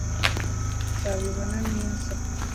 nzabibona neza